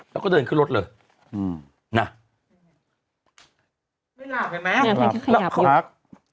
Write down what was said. แล้วก็เดินขึ้นรถเลยอืมนะไม่หลับเห็นไหม